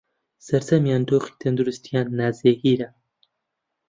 سەرجەمیان دۆخی تەندروستییان ناجێگرە